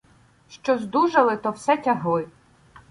Що здужали, то все тягли.